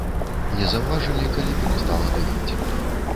Не заўважылі, калі перастала дыхаць.